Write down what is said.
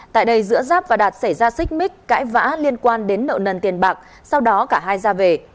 tại đây giữa giáp và đạt xảy ra xích mích cãi vã liên quan đến nợ nần tiền bạc sau đó cả hai ra về